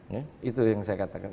ya itu yang saya katakan